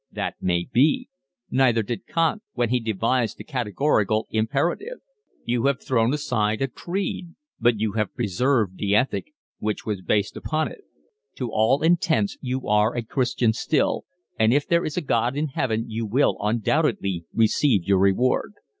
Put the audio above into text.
"That may be. Neither did Kant when he devised the Categorical Imperative. You have thrown aside a creed, but you have preserved the ethic which was based upon it. To all intents you are a Christian still, and if there is a God in Heaven you will undoubtedly receive your reward.